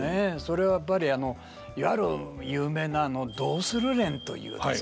それはやっぱりいわゆる有名な「どうする連」というですね